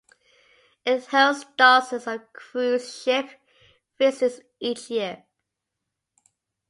It hosts dozens of cruise ship visits each year.